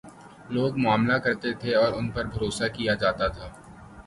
لوگ معاملہ کرتے تھے اور ان پر بھروسہ کیا جا تا تھا۔